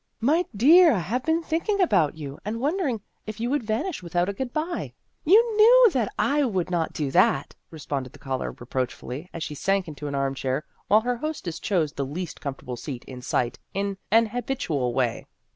" My dear, I have been think ing about you, and wondering if you would vanish without a good bye." " You knew that I would not do that," responded the caller reproachfully, as she sank into an arm chair, while her hostess chose the least comfortable seat in sight in an habitual way.